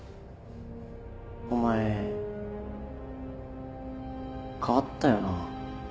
お前変わったよな。